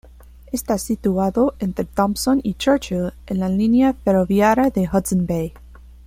Está situado entre Thompson y Churchill en la línea ferroviaria de Hudson Bay.